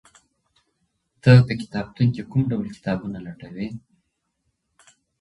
ته په کتابتون کي کوم ډول کتابونه لټوې؟